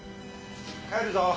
帰るぞ！